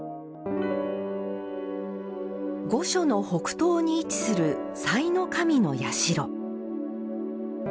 御所の北東に位置する幸神社。